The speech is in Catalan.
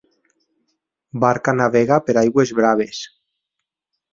Barca navega per aigües braves.